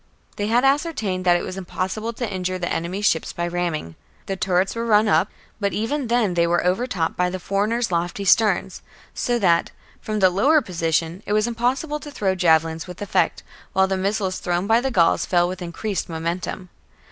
They had ascertained that it was impossible to injure the enemy's ships by ramming. The turrets were run up ; but Ill THE MARITIME TRIBES 87 even then they were overtopped by the foreigners' 56 b.c. lofty sterns, so that, from the lower position, it was impossible to throw javelins with effect, while the missiles thrown by the Gauls fell with in creased momentum.